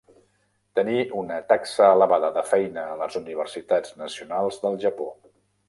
Tenir una taxa elevada de feina a les universitats nacionals del Japó.